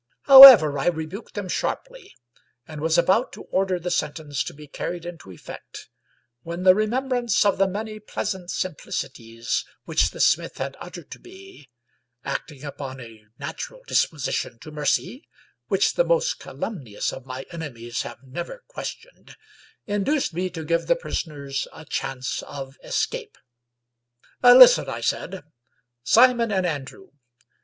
However, I rebuked them sharply, and was about to order the sentence to be carried into effect, when the remembrance of the many pleasant simplicities which the smith had uttered to me, acting upon a natural dispo sition to mercy, which the most calumnious of my enemies have never questioned, induced me to give the prisoners a chance of escape, Listen," I said, " Simon and Andrew.